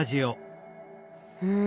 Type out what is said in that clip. うん。